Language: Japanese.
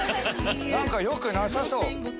何かよくなさそう。